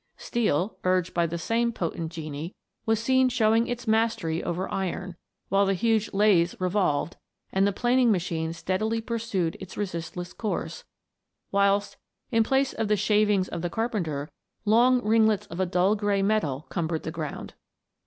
Steel, urged by the same potent genie, was seen showing its mastery over iron ; while the huge lathes revolved, and the planing machine steadily pursued its resistless course ; whilst, in place of the shavings of the carpenter, long ring lets of a dull grey metal cumbered the ground.